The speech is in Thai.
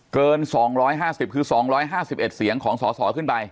เกิน๒๕๐คือ๒๕๑เสียงของสสขึ้นไป